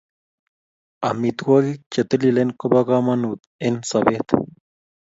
amitwagik chetililen kobokamangut eng sabet